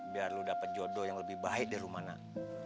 biar lu dapat jodoh yang lebih baik dari rumah nak